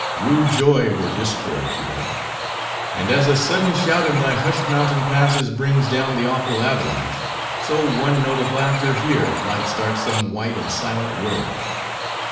Rude joy were discord here. And as a sudden shout in thy hushed mountain passes brings down the awful avalanche; so one note of laughter here, might start some white and silent world.